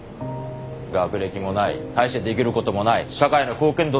学歴もない大してできることもない社会の貢献度